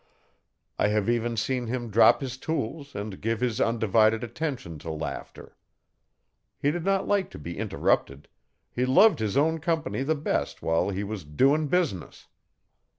I have even seen him drop his tools and give his undivided attention to laughter. He did not like to be interrupted he loved his own company the best while he was 'doin' business'.